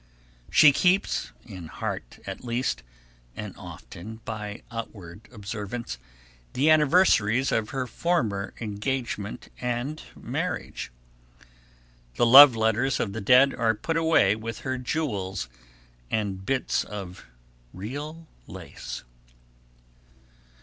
She keeps, in heart at least, and often by outward observance, the anniversaries of her former engagement and marriage. The love letters of the dead are put away with her jewels and bits of real lace.